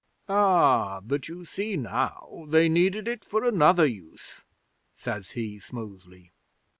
'"Ah, but ye see now they needed it for another use," says he smoothly.